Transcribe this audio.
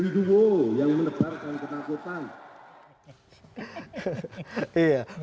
yang menebarkan ketakutan